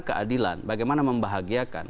keadilan bagaimana membahagiakan